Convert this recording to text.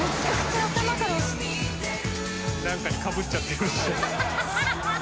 何かにかぶっちゃってるし。